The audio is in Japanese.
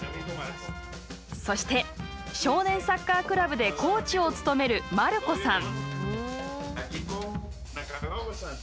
そして、少年サッカークラブでコーチを務めるマルコさん。